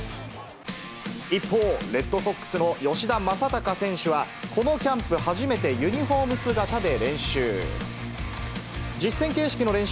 一方、レッドソックスの吉田正尚選手は、このキャンプ初めて、ユニホーム姿で練習。